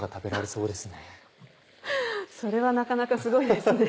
それはなかなかすごいですね。